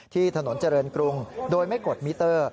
ที่ถนนเจริญกรุงโดยไม่กดมิเตอร์